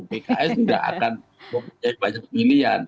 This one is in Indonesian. pks tidak akan mempunyai banyak pilihan